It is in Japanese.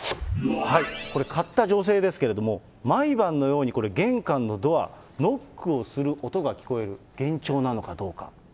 これ、買った女性ですけれども、毎晩のように、玄関のドア、ノックをする音が聞こえる、幻聴なのかどうか。